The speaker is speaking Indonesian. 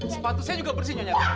sepatu saya juga bersih nyonya